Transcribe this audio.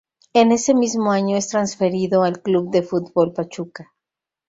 En ese mismo año es transferido al Club de Fútbol Pachuca.